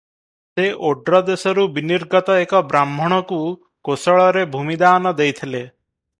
ସେ ଓଡ୍ରଦେଶରୁ ବିନିର୍ଗତ ଏକ ବ୍ରାହ୍ମଣକୁ କୋଶଳରେ ଭୂମି ଦାନ ଦେଇଥିଲେ ।